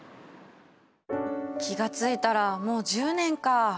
気が付いたらもう１０年か。